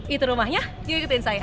itu rumahnya yuk ikutin saya